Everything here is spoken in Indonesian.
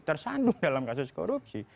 tersandung dalam kasus korupsi